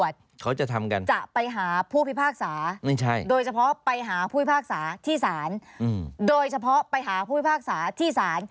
โดยเฉพาะไปหาผู้วิทยาภาษาที่สาร